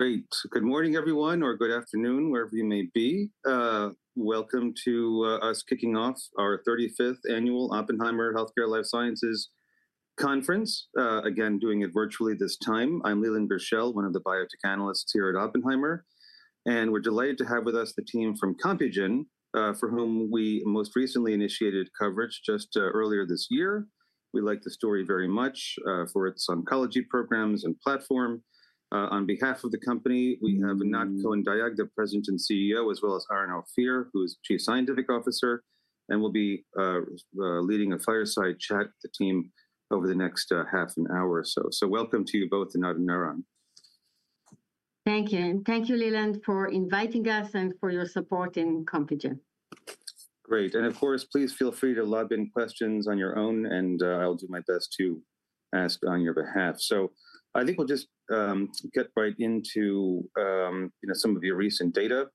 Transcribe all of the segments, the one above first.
Great. Good morning, everyone, or good afternoon, wherever you may be. Welcome to us kicking off our 35th annual Oppenheimer Healthcare Life Sciences Conference, again, doing it virtually this time. I'm Leland Gershell, one of the biotech analysts here at Oppenheimer. We're delighted to have with us the team from Compugen, for whom we most recently initiated coverage just earlier this year. We like the story very much for its oncology programs and platform. On behalf of the company, we have Anat Cohen-Dayag, the President and CEO, as well as Eran Ophir, who is Chief Scientific Officer, and will be leading a fireside chat with the team over the next half an hour or so. Welcome to you both, Anat and Eran. Thank you. Thank you, Leland, for inviting us and for your support in Compugen. Great. Of course, please feel free to lob in questions on your own, and I'll do my best to ask on your behalf. I think we'll just get right into some of your recent data,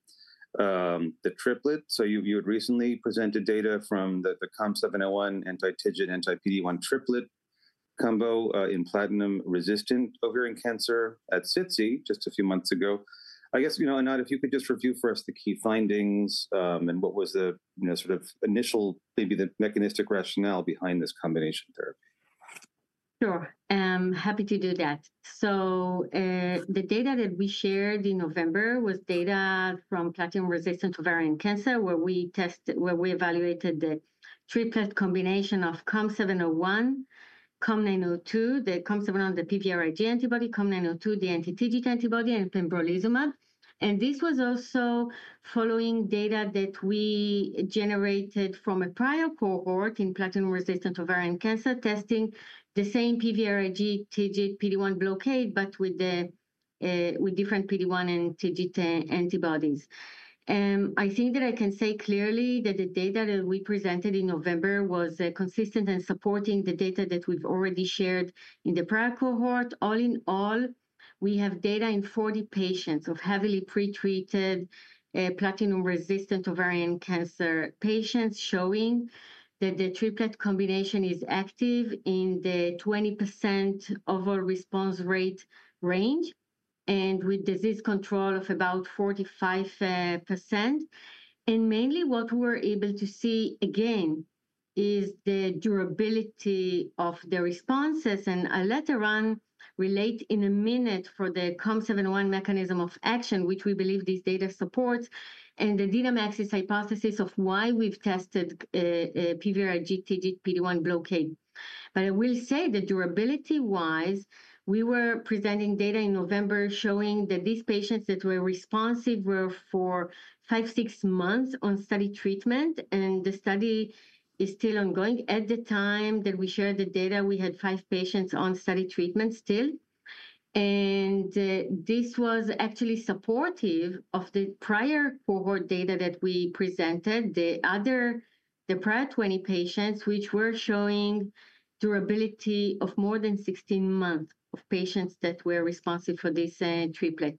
the triplet. You had recently presented data from the COM701 anti-TIGIT anti-PD-1 triplet combo in platinum-resistant ovarian cancer at SITC just a few months ago. I guess, Anat, if you could just review for us the key findings and what was the sort of initial, maybe the mechanistic rationale behind this combination therapy. Sure. I'm happy to do that. The data that we shared in November was data from platinum-resistant ovarian cancer, where we evaluated the triplet combination of COM701, COM902, the COM701, the PVRIG antibody, COM902, the anti-TIGIT antibody, and pembrolizumab. This was also following data that we generated from a prior cohort in platinum-resistant ovarian cancer testing the same PVRIG, TIGIT, PD-1 blockade, but with different PD-1 and TIGIT antibodies. I think that I can say clearly that the data that we presented in November was consistent and supporting the data that we've already shared in the prior cohort. All in all, we have data in 40 patients of heavily pretreated platinum-resistant ovarian cancer patients showing that the triplet combination is active in the 20% overall response rate range and with disease control of about 45%. Mainly, what we were able to see again is the durability of the responses. I'll let Eran relate in a minute for the COM701 mechanism of action, which we believe this data supports, and the DNAM axis hypothesis of why we've tested PVRIG, TIGIT, PD-1 blockade. I will say that durability-wise, we were presenting data in November showing that these patients that were responsive were for five, six months on study treatment, and the study is still ongoing. At the time that we shared the data, we had five patients on study treatment still. This was actually supportive of the prior cohort data that we presented, the prior 20 patients, which were showing durability of more than 16 months of patients that were responsive for this triplet.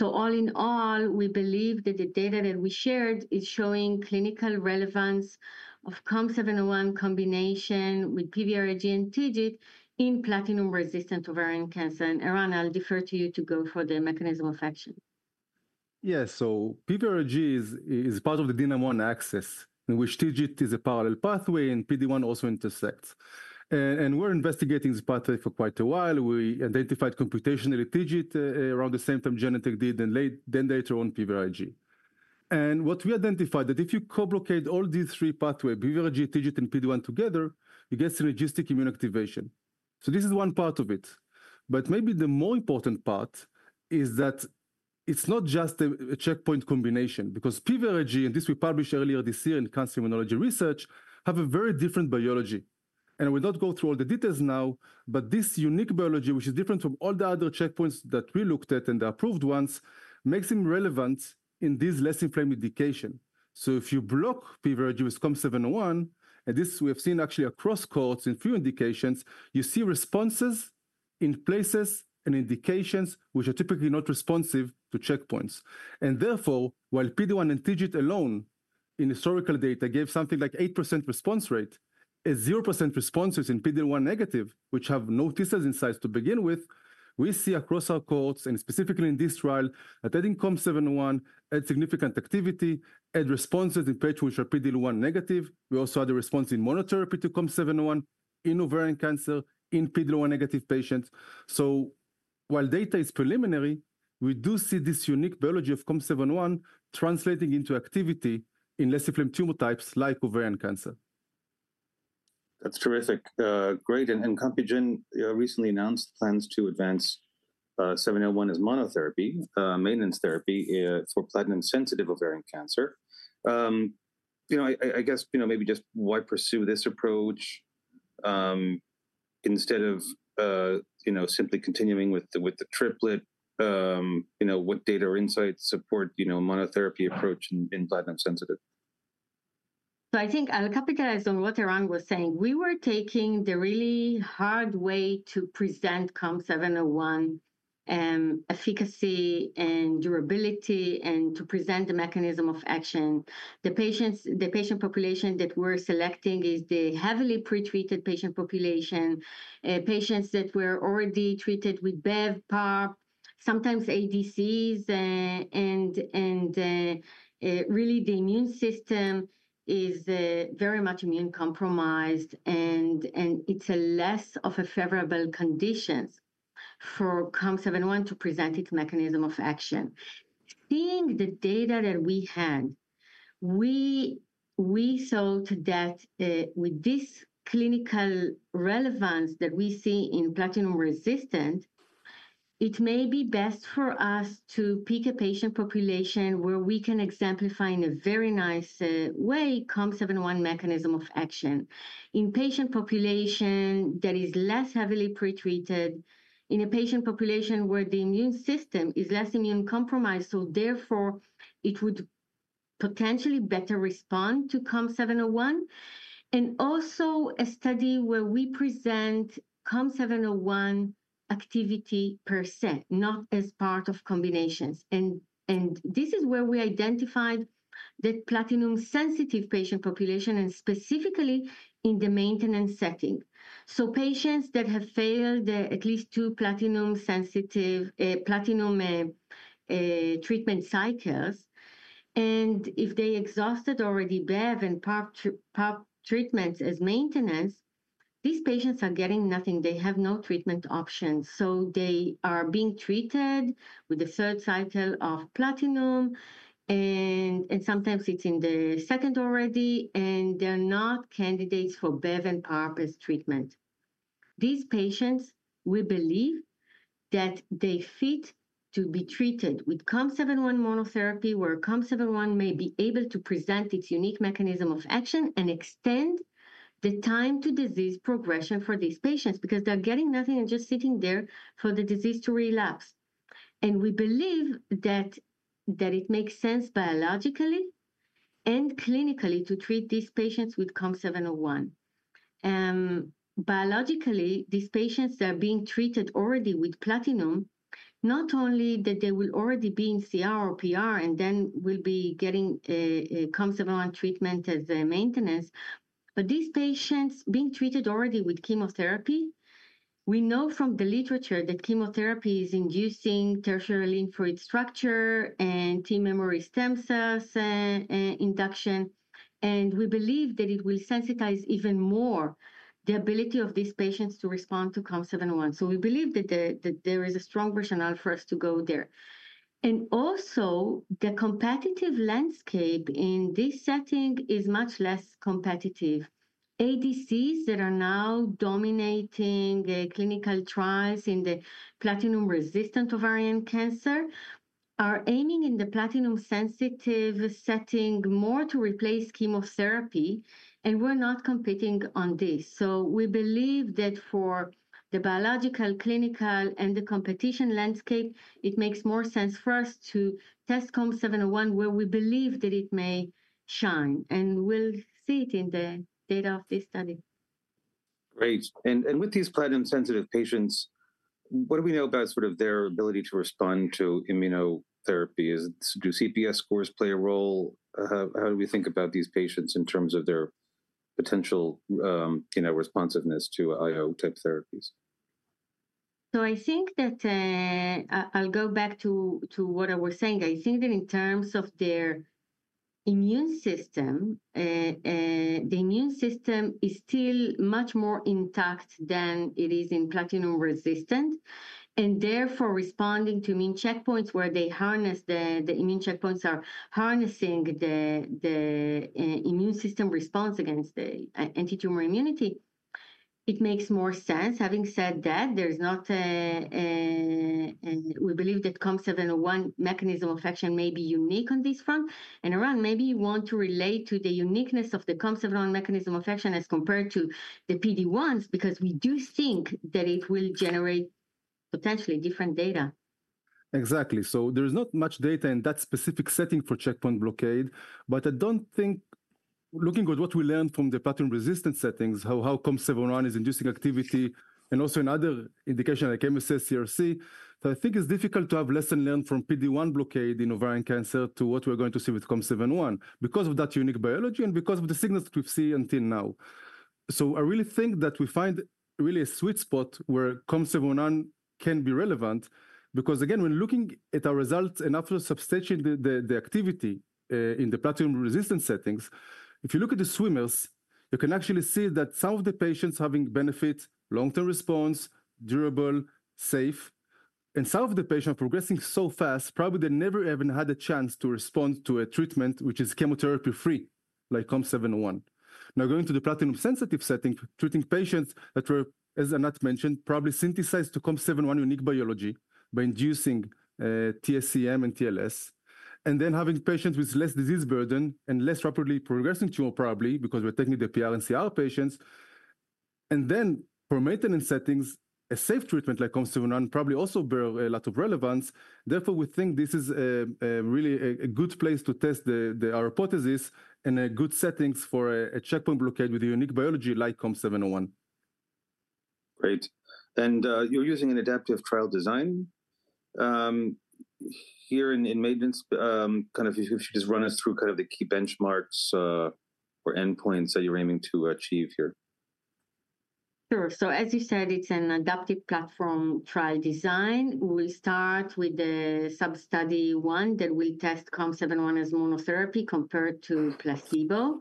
All in all, we believe that the data that we shared is showing clinical relevance of COM701 combination with PVRIG and TIGIT in platinum-resistant ovarian cancer. Eran, I'll defer to you to go for the mechanism of action. Yeah. PVRIG is part of the DNAM-1 axis, in which TIGIT is a parallel pathway, and PD-1 also intersects. We're investigating this pathway for quite a while. We identified computationally TIGIT around the same time Genentech did, and then later on PVRIG. What we identified is that if you co-blockade all these three pathways, PVRIG, TIGIT, and PD-1 together, you get synergistic immune activation. This is one part of it. Maybe the more important part is that it's not just a checkpoint combination, because PVRIG, and this we published earlier this year in Cancer Immunology Research, has a very different biology. I will not go through all the details now, but this unique biology, which is different from all the other checkpoints that we looked at and the approved ones, makes them relevant in this less inflamed indication. If you block PVRIG with COM701, and this we have seen actually across cohorts in few indications, you see responses in places and indications which are typically not responsive to checkpoints. Therefore, while PD1 and TIGIT alone in historical data gave something like 8% response rate, 0% responses in PD1 negative, which have no TISSEL insights to begin with, we see across our cohorts, and specifically in this trial, that adding COM701 adds significant activity, adds responses in patients which are PD1 negative. We also had a response in monotherapy to COM701 in ovarian cancer, in PD1 negative patients. While data is preliminary, we do see this unique biology of COM701 translating into activity in less inflamed tumor types like ovarian cancer. That's terrific. Great. Compugen recently announced plans to advance 701 as monotherapy, maintenance therapy for platinum-sensitive ovarian cancer. I guess maybe just why pursue this approach instead of simply continuing with the triplet? What data or insights support a monotherapy approach in platinum-sensitive? I think I'll capitalize on what Eran was saying. We were taking the really hard way to present COM701 efficacy and durability and to present the mechanism of action. The patient population that we're selecting is the heavily pretreated patient population, patients that were already treated with BEV, PARP, sometimes ADCs, and really, the immune system is very much immune compromised, and it's less of a favorable condition for COM701 to present its mechanism of action. Seeing the data that we had, we thought that with this clinical relevance that we see in platinum-resistant, it may be best for us to pick a patient population where we can exemplify in a very nice way COM701 mechanism of action in patient population that is less heavily pretreated, in a patient population where the immune system is less immune compromised, so therefore, it would potentially better respond to COM701. We also have a study where we present COM701 activity per se, not as part of combinations. This is where we identified the platinum-sensitive patient population, and specifically in the maintenance setting. Patients that have failed at least two platinum-sensitive platinum treatment cycles, and if they exhausted already BEV and PARP treatments as maintenance, these patients are getting nothing. They have no treatment options. They are being treated with the third cycle of platinum, and sometimes it's in the second already, and they're not candidates for BEV and PARP as treatment. These patients, we believe, fit to be treated with COM701 monotherapy, where COM701 may be able to present its unique mechanism of action and extend the time to disease progression for these patients because they're getting nothing and just sitting there for the disease to relapse. We believe that it makes sense biologically and clinically to treat these patients with COM701. Biologically, these patients that are being treated already with platinum, not only that they will already be in CR or PR and then will be getting COM701 treatment as maintenance, but these patients being treated already with chemotherapy, we know from the literature that chemotherapy is inducing tertiary lymphoid structure and T-memory stem cells induction. We believe that it will sensitize even more the ability of these patients to respond to COM701. We believe that there is a strong rationale for us to go there. Also, the competitive landscape in this setting is much less competitive. ADCs that are now dominating clinical trials in the platinum-resistant ovarian cancer are aiming in the platinum-sensitive setting more to replace chemotherapy, and we're not competing on this. We believe that for the biological, clinical, and the competition landscape, it makes more sense for us to test COM701, where we believe that it may shine. We'll see it in the data of this study. Great. With these platinum-sensitive patients, what do we know about sort of their ability to respond to immunotherapy? Do CPS scores play a role? How do we think about these patients in terms of their potential responsiveness to IO-type therapies? I think that I'll go back to what I was saying. I think that in terms of their immune system, the immune system is still much more intact than it is in platinum-resistant. Therefore, responding to immune checkpoints where the immune checkpoints are harnessing the immune system response against the anti-tumor immunity, it makes more sense. Having said that, we believe that COM701 mechanism of action may be unique on this front. Eran, maybe you want to relate to the uniqueness of the COM701 mechanism of action as compared to the PD1s because we do think that it will generate potentially different data. Exactly. There is not much data in that specific setting for checkpoint blockade. I do not think looking at what we learned from the platinum-resistant settings, how COM701 is inducing activity, and also in other indications like MSS, CRC, that it is difficult to have lesson learned from PD-1 blockade in ovarian cancer to what we are going to see with COM701 because of that unique biology and because of the signals that we have seen until now. I really think that we find really a sweet spot where COM701 can be relevant because, again, when looking at our results and after substantiating the activity in the platinum-resistant settings, if you look at the swimmers, you can actually see that some of the patients having benefit, long-term response, durable, safe, and some of the patients progressing so fast, probably they never even had a chance to respond to a treatment which is chemotherapy-free, like COM701. Now, going to the platinum-sensitive setting, treating patients that were, as Anat mentioned, probably synthesized to COM701 unique biology by inducing TSCM and TLS, and then having patients with less disease burden and less rapidly progressing tumor, probably because we're taking the PR and CR patients. For maintenance settings, a safe treatment like COM701 probably also bears a lot of relevance. Therefore, we think this is really a good place to test our hypothesis and good settings for a checkpoint blockade with a unique biology like COM701. Great. You're using an adaptive trial design here in maintenance. If you could just run us through the key benchmarks or endpoints that you're aiming to achieve here. Sure. As you said, it's an adaptive platform trial design. We'll start with the sub-study one that will test COM701 as monotherapy compared to placebo.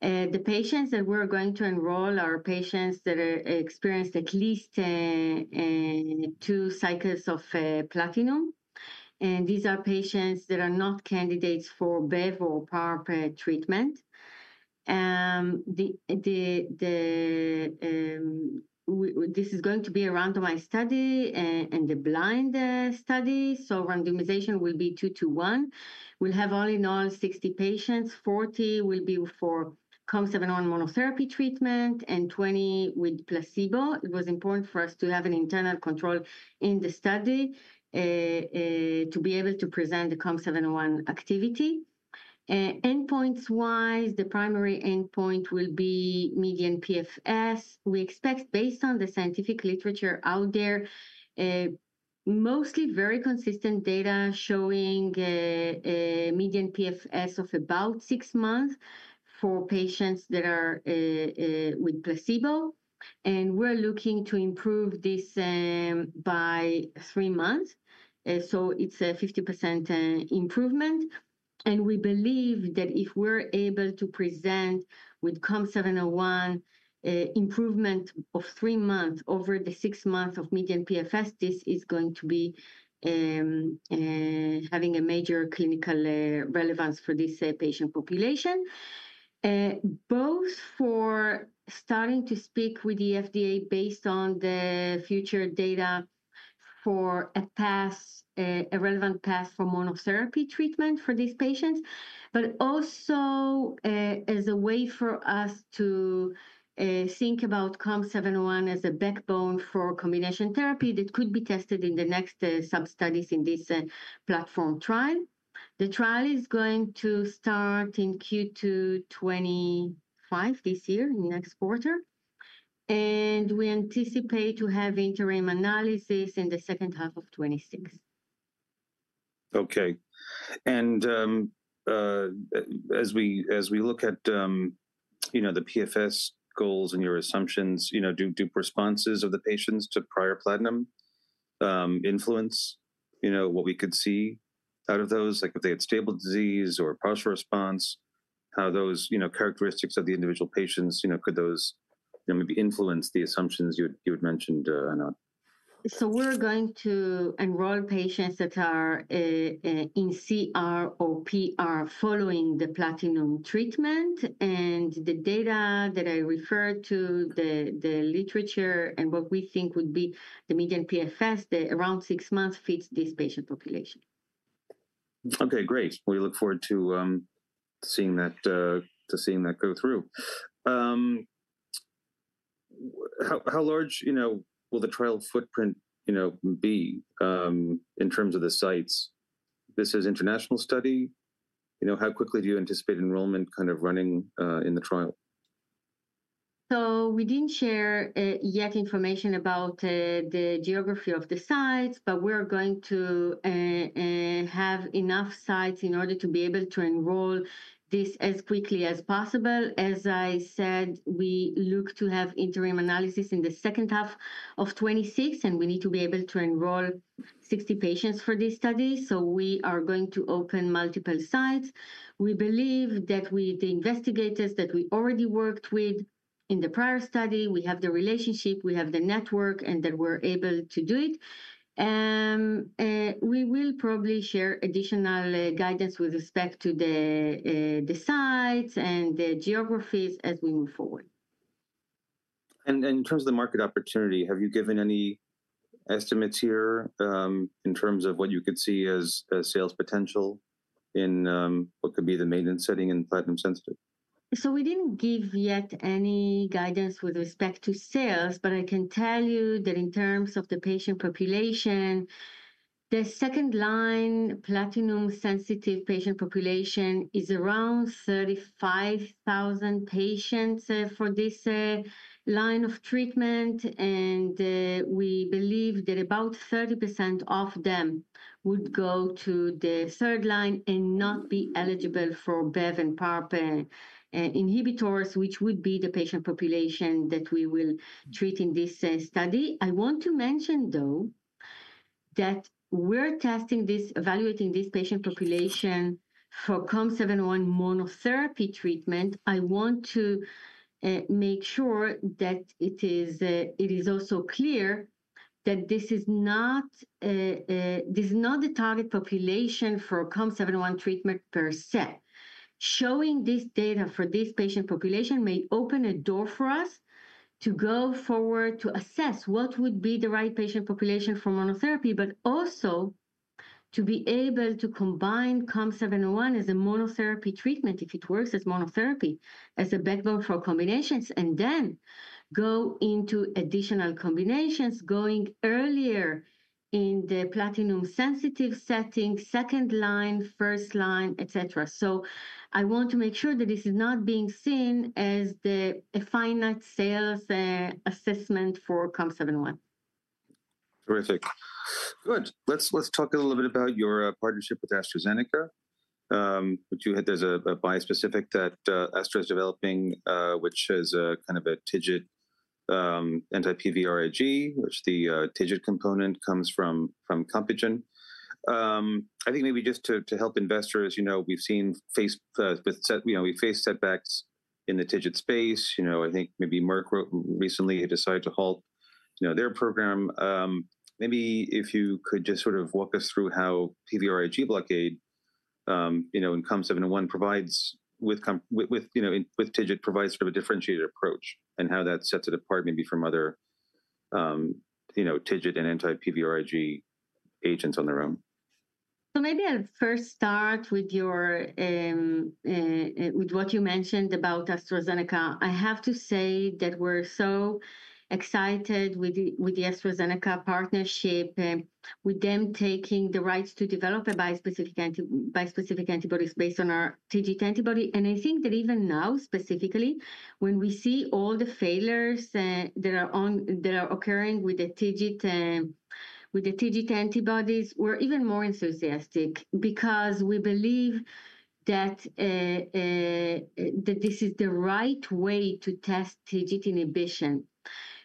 The patients that we're going to enroll are patients that experienced at least two cycles of platinum. These are patients that are not candidates for BEV or PARP treatment. This is going to be a randomized study and a blind study. Randomization will be two to one. We'll have all in all 60 patients. Forty will be for COM701 monotherapy treatment and 20 with placebo. It was important for us to have an internal control in the study to be able to present the COM701 activity. Endpoints-wise, the primary endpoint will be median PFS. We expect, based on the scientific literature out there, mostly very consistent data showing median PFS of about six months for patients that are with placebo. We're looking to improve this by three months. It is a 50% improvement. We believe that if we're able to present with COM701 improvement of three months over the six months of median PFS, this is going to be having a major clinical relevance for this patient population, both for starting to speak with the FDA based on the future data for a relevant path for monotherapy treatment for these patients, but also as a way for us to think about COM701 as a backbone for combination therapy that could be tested in the next sub-studies in this platform trial. The trial is going to start in Q2 2025, in the next quarter. We anticipate to have interim analysis in the second half of 2026. Okay. As we look at the PFS goals and your assumptions, do responses of the patients to prior platinum influence what we could see out of those? Like if they had stable disease or partial response, how those characteristics of the individual patients, could those maybe influence the assumptions you had mentioned, Anat? We're going to enroll patients that are in CR or PR following the platinum treatment. The data that I referred to, the literature and what we think would be the median PFS, around six months, fits this patient population. Okay, great. We look forward to seeing that go through. How large will the trial footprint be in terms of the sites? This is an international study. How quickly do you anticipate enrollment kind of running in the trial? We did not share yet information about the geography of the sites, but we are going to have enough sites in order to be able to enroll this as quickly as possible. As I said, we look to have interim analysis in the second half of 2026, and we need to be able to enroll 60 patients for this study. We are going to open multiple sites. We believe that with the investigators that we already worked with in the prior study, we have the relationship, we have the network, and that we are able to do it. We will probably share additional guidance with respect to the sites and the geographies as we move forward. In terms of the market opportunity, have you given any estimates here in terms of what you could see as sales potential in what could be the maintenance setting in platinum-sensitive? We didn't give yet any guidance with respect to sales, but I can tell you that in terms of the patient population, the second line platinum-sensitive patient population is around 35,000 patients for this line of treatment. We believe that about 30% of them would go to the third line and not be eligible for BEV and PARP inhibitors, which would be the patient population that we will treat in this study. I want to mention, though, that we're testing this, evaluating this patient population for COM701 monotherapy treatment. I want to make sure that it is also clear that this is not the target population for COM701 treatment per se. Showing this data for this patient population may open a door for us to go forward to assess what would be the right patient population for monotherapy, but also to be able to combine COM701 as a monotherapy treatment if it works as monotherapy as a backbone for combinations, and then go into additional combinations going earlier in the platinum-sensitive setting, second line, first line, et cetera. I want to make sure that this is not being seen as a finite sales assessment for COM701. Terrific. Good. Let's talk a little bit about your partnership with AstraZeneca. There's a bispecific that Astra is developing, which is kind of a TIGIT anti-PVRIG, which the TIGIT component comes from Compugen. I think maybe just to help investors, we've seen we faced setbacks in the TIGIT space. I think maybe Merck recently had decided to halt their program. Maybe if you could just sort of walk us through how PVRIG blockade in COM701 provides with TIGIT provides sort of a differentiated approach and how that sets it apart maybe from other TIGIT and anti-PVRIG agents on their own. Maybe I'll first start with what you mentioned about AstraZeneca. I have to say that we're so excited with the AstraZeneca partnership, with them taking the rights to develop a bispecific antibody based on our TIGIT antibody. I think that even now, specifically, when we see all the failures that are occurring with the TIGIT antibodies, we're even more enthusiastic because we believe that this is the right way to test TIGIT inhibition,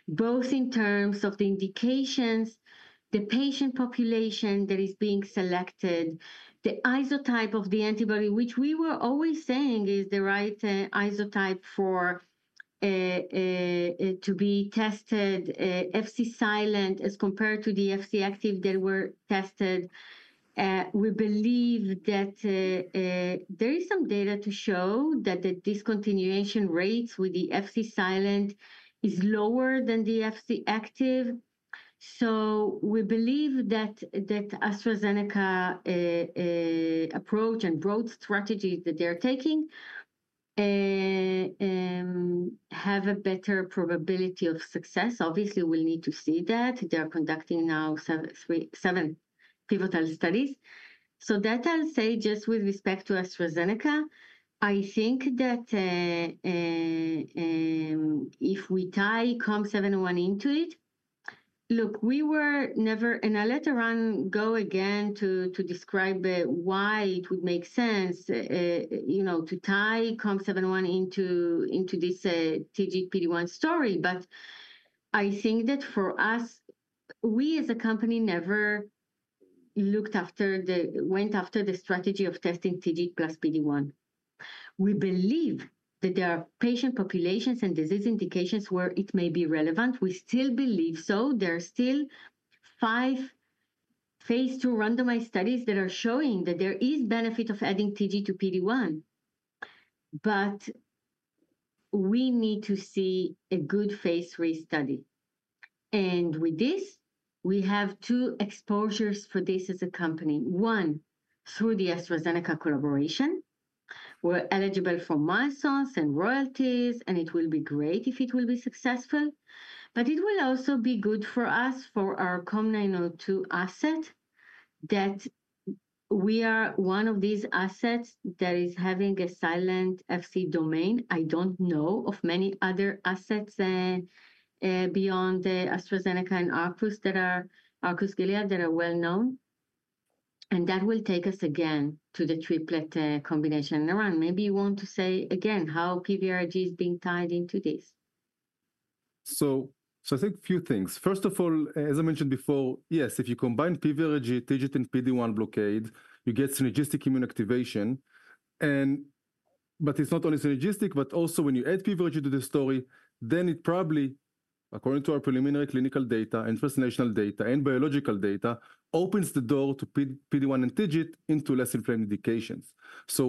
both in terms of the indications, the patient population that is being selected, the isotype of the antibody, which we were always saying is the right isotype to be tested, FC silent as compared to the FC active that were tested. We believe that there is some data to show that the discontinuation rates with the FC silent is lower than the FC active. We believe that AstraZeneca approach and broad strategy that they're taking have a better probability of success. Obviously, we'll need to see that. They're conducting now seven pivotal studies. That I'll say just with respect to AstraZeneca. I think that if we tie COM701 into it, look, we were never, and I'll let Eran go again to describe why it would make sense to tie COM701 into this TIGIT PD-1 story. I think that for us, we as a company never went after the strategy of testing TIGIT plus PD-1. We believe that there are patient populations and disease indications where it may be relevant. We still believe so. There are still five phase two randomized studies that are showing that there is benefit of adding TIGIT to PD-1. We need to see a good phase three study. With this, we have two exposures for this as a company. One, through the AstraZeneca collaboration, we're eligible for milestones and royalties, and it will be great if it will be successful. It will also be good for us, for our COM902 asset, that we are one of these assets that is having a silent FC domain. I don't know of many other assets beyond AstraZeneca and Arcus that are Arcus Gilead that are well-known. That will take us again to the triplet combination. Eran, maybe you want to say again how PVRIG is being tied into this. I think a few things. First of all, as I mentioned before, yes, if you combine PVRIG, TIGIT, and PD-1 blockade, you get synergistic immune activation. It is not only synergistic, but also when you add PVRIG to the story, then it probably, according to our preliminary clinical data and first national data and biological data, opens the door to PD-1 and TIGIT into less inflamed indications.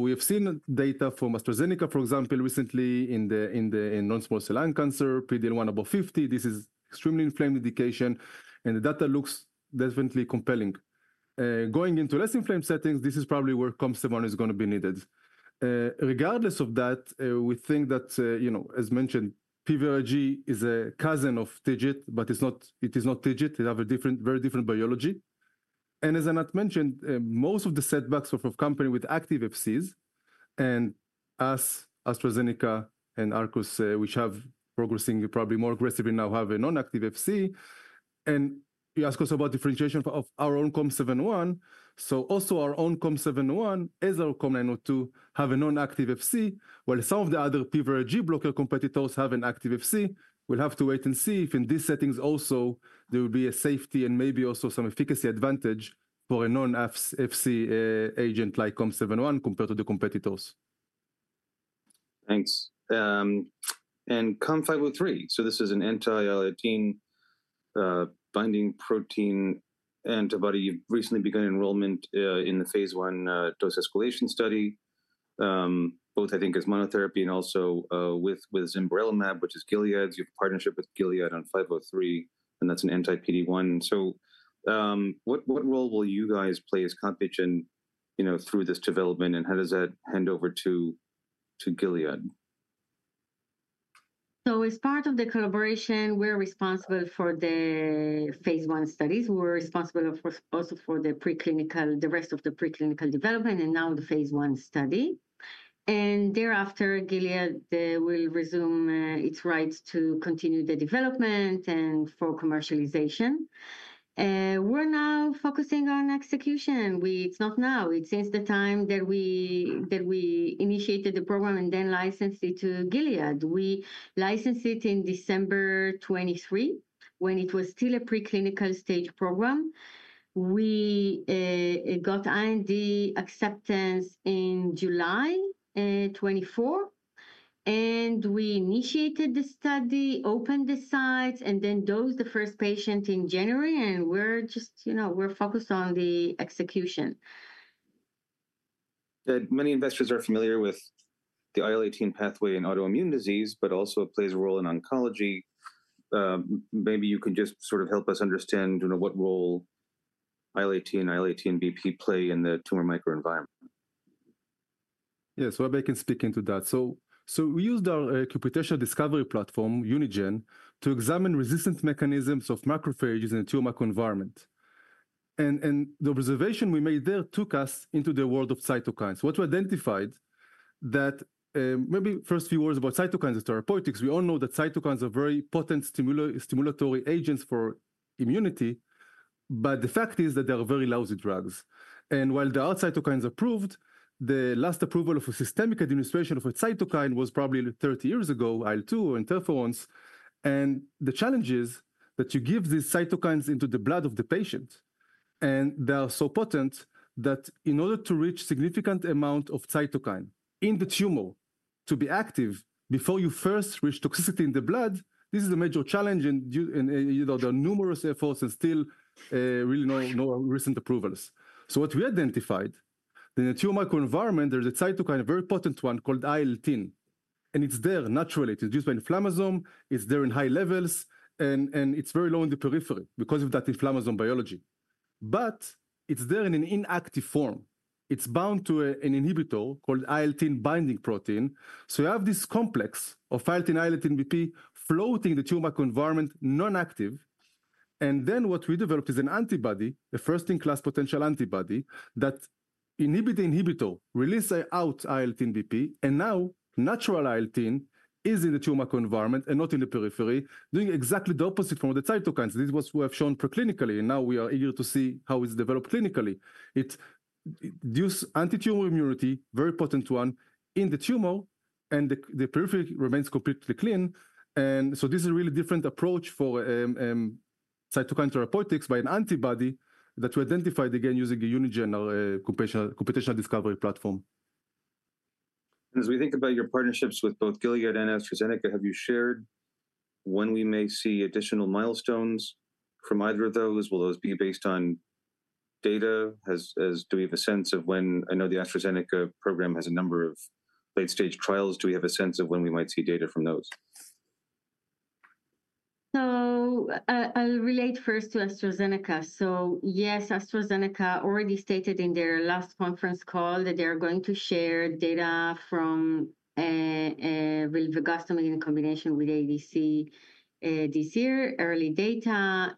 We have seen data from AstraZeneca, for example, recently in non-small cell lung cancer, PD-L1 above 50%. This is an extremely inflamed indication. The data looks definitely compelling. Going into less inflamed settings, this is probably where COM701 is going to be needed. Regardless of that, we think that, as mentioned, PVRIG is a cousin of TIGIT, but it is not TIGIT. It has a very different biology. As Anat mentioned, most of the setbacks of a company with active FCs, and us, AstraZeneca and Arcus, which have progressing probably more aggressively now, have a non-active FC. You asked us about differentiation of our own COM701. Also our own COM701, as our COM902, have a non-active FC, while some of the other PVRIG blocker competitors have an active FC. We will have to wait and see if in these settings also there will be a safety and maybe also some efficacy advantage for a non-FC agent like COM701 compared to the competitors. Thanks. COM503, this is an anti-IL-18 binding protein antibody. You have recently begun enrollment in the phase one dose escalation study, both I think as monotherapy and also with Zimberelimab, which is Gilead. You have a partnership with Gilead on 503, and that is an anti-PD-1. What role will you guys play as Compugen through this development, and how does that hand over to Gilead? As part of the collaboration, we're responsible for the phase one studies. We're responsible also for the rest of the preclinical development and now the phase one study. Thereafter, Gilead will resume its rights to continue the development and for commercialization. We're now focusing on execution. It's not now. It's since the time that we initiated the program and then licensed it to Gilead. We licensed it in December 2023 when it was still a preclinical stage program. We got IND acceptance in July 2024. We initiated the study, opened the sites, and then dosed the first patient in January. We're just focused on the execution. Many investors are familiar with the IL-18 pathway in autoimmune disease, but also it plays a role in oncology. Maybe you can just sort of help us understand what role IL-18 and IL-18BP play in the tumor microenvironment. Yes, I'll make a stick into that. We used our computational discovery platform, Unigen, to examine resistance mechanisms of macrophages in the tumor microenvironment. The observation we made there took us into the world of cytokines. What we identified, that maybe first few words about cytokines and therapeutics, we all know that cytokines are very potent stimulatory agents for immunity, but the fact is that they are very lousy drugs. While there are cytokines approved, the last approval of a systemic administration of a cytokine was probably 30 years ago, IL-2 or interferons. The challenge is that you give these cytokines into the blood of the patient. They are so potent that in order to reach a significant amount of cytokine in the tumor to be active before you first reach toxicity in the blood, this is a major challenge. There are numerous efforts and still really no recent approvals. What we identified, in the tumor microenvironment, there's a cytokine, a very potent one called IL-18. It's there naturally. It's induced by inflammasome. It's there in high levels. It's very low in the periphery because of that inflammasome biology. It's there in an inactive form. It's bound to an inhibitor called IL-18 binding protein. You have this complex of IL-18, IL-18BP floating in the tumor environment, non-active. What we developed is an antibody, a first-in-class potential antibody that inhibits the inhibitor, releases out IL-18BP. Now natural IL-18 is in the tumor environment and not in the periphery, doing exactly the opposite from the cytokines. This is what we have shown preclinically. Now we are eager to see how it's developed clinically. It induces anti-tumor immunity, very potent one in the tumor, and the periphery remains completely clean. This is a really different approach for cytokine therapeutics by an antibody that we identified again using a Unigen computational discovery platform. As we think about your partnerships with both Gilead and AstraZeneca, have you shared when we may see additional milestones from either of those? Will those be based on data? Do we have a sense of when—I know the AstraZeneca program has a number of late-stage trials. Do we have a sense of when we might see data from those? I'll relate first to AstraZeneca. Yes, AstraZeneca already stated in their last conference call that they are going to share data from rilvegostomig in combination with ADCs this year, early data.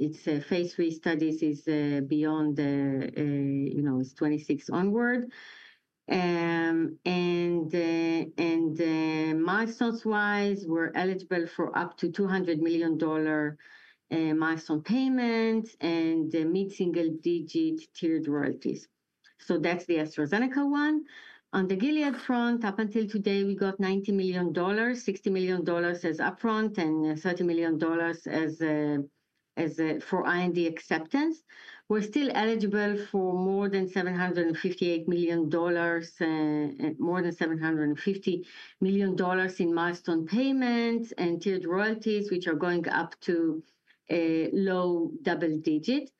Its phase three studies is beyond 2026 onward. Milestones-wise, we're eligible for up to $200 million milestone payments and mid-single digit tiered royalties. That's the AstraZeneca one. On the Gilead front, up until today, we got $90 million, $60 million as upfront, and $30 million as for IND acceptance. We're still eligible for more than $750 million in milestone payments and tiered royalties, which are going up to low double digit.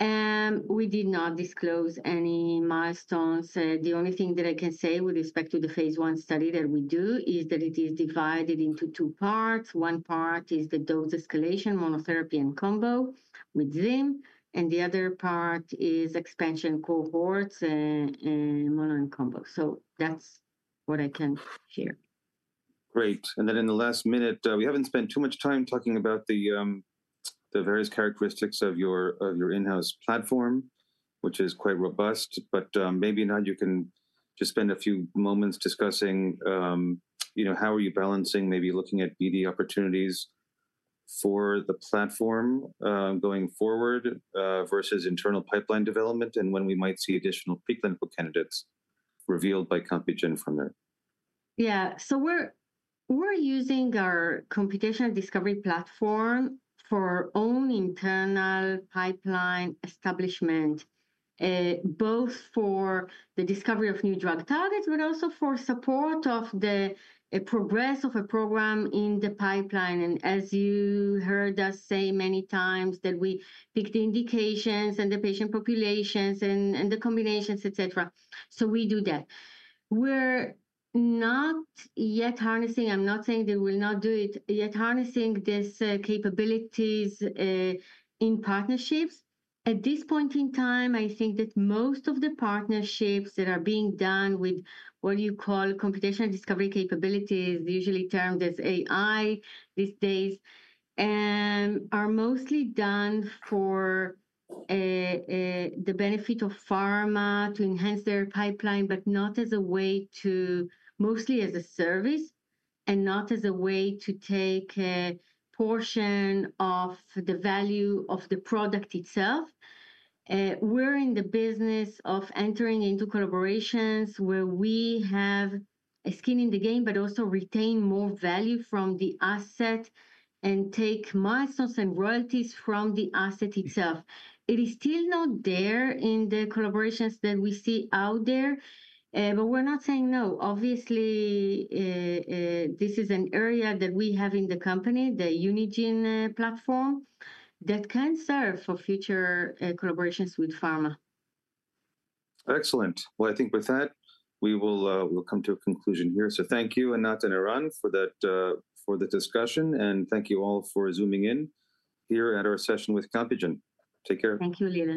We did not disclose any milestones. The only thing that I can say with respect to the phase one study that we do is that it is divided into two parts. One part is the dose escalation, monotherapy and combo with Zimberelimab. The other part is expansion cohorts and mono and combo. That is what I can share. Great. In the last minute, we have not spent too much time talking about the various characteristics of your in-house platform, which is quite robust. Maybe now you can just spend a few moments discussing how you are balancing, maybe looking at BD opportunities for the platform going forward versus internal pipeline development and when we might see additional preclinical candidates revealed by Compugen from there. Yeah. We are using our computational discovery platform for our own internal pipeline establishment, both for the discovery of new drug targets, but also for support of the progress of a program in the pipeline. As you heard us say many times, we pick the indications and the patient populations and the combinations, et cetera. We do that. We are not yet harnessing, I am not saying that we will not do it yet, harnessing these capabilities in partnerships. At this point in time, I think that most of the partnerships that are being done with what you call computational discovery capabilities, usually termed as AI these days, are mostly done for the benefit of pharma to enhance their pipeline, but not as a way to, mostly as a service and not as a way to take a portion of the value of the product itself. We're in the business of entering into collaborations where we have a skin in the game, but also retain more value from the asset and take milestones and royalties from the asset itself. It is still not there in the collaborations that we see out there, but we're not saying no. Obviously, this is an area that we have in the company, the Unigen platform that can serve for future collaborations with pharma. Excellent. I think with that, we will come to a conclusion here. Thank you, Anat and Eran, for the discussion. Thank you all for zooming in here at our session with Compugen. Take care. Thank you, Lynn.